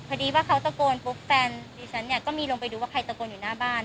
พอดีว่าเขาตะโกนปุ๊บแฟนดิฉันเนี่ยก็มีลงไปดูว่าใครตะโกนอยู่หน้าบ้าน